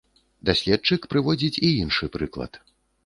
Даследчык прыводзіць і іншы прыклад.